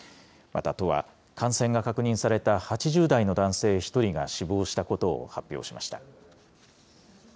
また都は、感染が確認された８０代の男性１人が死亡したことを発表しました。